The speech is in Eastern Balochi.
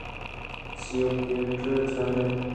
جیوپیٹر ءَ چار اِت